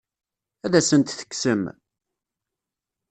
Ad asent-t-tekksem?